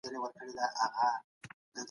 دعا کوم.